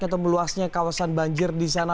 atau meluasnya kawasan banjir di sana